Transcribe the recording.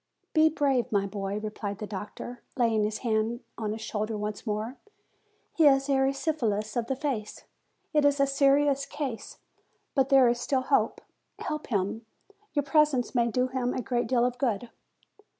"Be brave, my boy," replied the doctor, laying his hand on his shoulder once more; "he has erysipelas of the face. It is a serious case, but there is still hope. Help him. Your presence may do him a great deal of good."